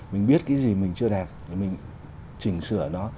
mình biết cái gì mình chưa đẹp thì mình chỉnh sửa nó